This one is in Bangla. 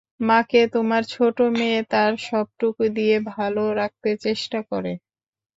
মাকে তোমার ছোট মেয়ে তার সবটুকু দিয়ে ভালো রাখতে চেষ্টা করে।